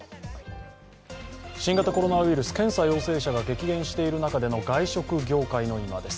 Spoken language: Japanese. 新型コロナウイルス、検査陽性者が激減している中での外食業界の今です。